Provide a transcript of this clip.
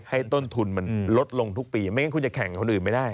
ต้นทุนมันลดลงทุกปีไม่งั้นคุณจะแข่งคนอื่นไม่ได้